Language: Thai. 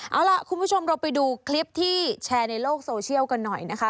เอาล่ะคุณผู้ชมเราไปดูคลิปที่แชร์ในโลกโซเชียลกันหน่อยนะคะ